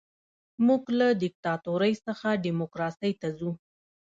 موږ له دیکتاتورۍ څخه ډیموکراسۍ ته ځو.